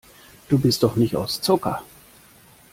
Du bist doch nicht aus Zucker.